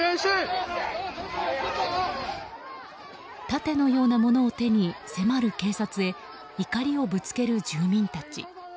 盾のようなものを手に迫る警察へ怒りをぶつける住民たち。